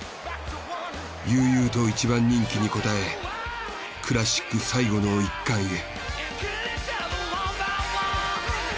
悠々と一番人気に応えクラシック最後の一冠へ。